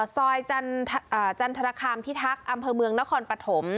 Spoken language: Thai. ซอยจันทรคามพิทักษ์อำเภอเมืองนครปฐม